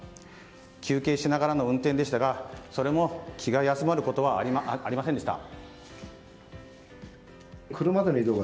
休憩しながらの運転でしたがそれも気が休まることはありませんでした。